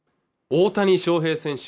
大谷翔平選手